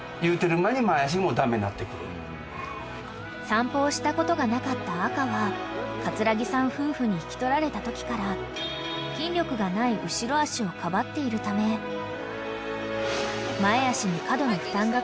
［散歩をしたことがなかった赤は葛城さん夫婦に引き取られたときから筋力がない後ろ脚をかばっているため前脚に過度の負担がかかり